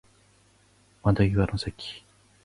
窓際の席